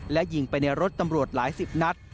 และยิงไปในรถตำรวจหลายสิบนัด